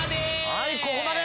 はいここまで！